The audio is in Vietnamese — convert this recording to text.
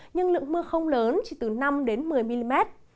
nhưng lượng mưa không lớn chỉ từ năm đến một mươi mm